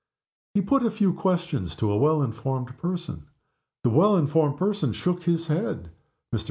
He put a few questions to a well informed person. The well informed person shook his head. Mr.